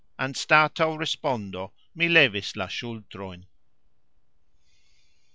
Anstataux respondo mi levis la sxultrojn.